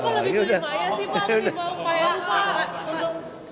udah pilih maya sih pak